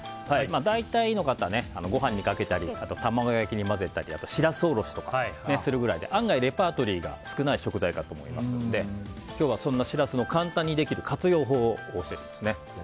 大体の方は、ご飯にかけたり卵焼きに混ぜたりあと、しらすおろしとかするくらいで案外レパートリーが少ない食材かと思いますので今日はそんなしらすの簡単にできる活用法です。